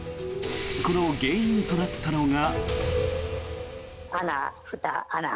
この原因となったのが。